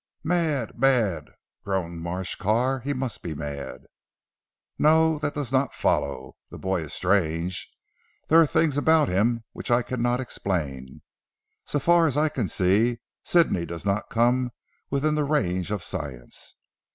"Mad! Mad!" groaned Marsh Carr, "he must be mad." "No. That does not follow. The boy is strange. There are things about him which I cannot explain. So far as I can see Sidney does not come within the range of science.